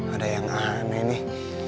ada yang aneh nih